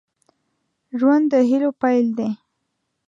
ژوند د هيلو پيل دی